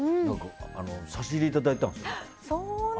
差し入れいただいたんですよ。